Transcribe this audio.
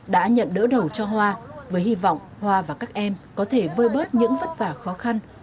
đã nhận đỡ đầu cho hoa với hy vọng hoa và các em có thể vơi bớt những vất vả khó khăn